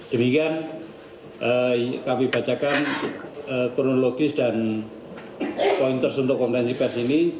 demikian kami bacakan kronologis dan pointers untuk konferensi pers ini